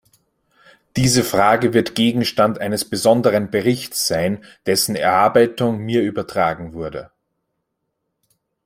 Diese Frage wird Gegenstand eines besonderen Berichts sein, dessen Erarbeitung mir übertragen wurde.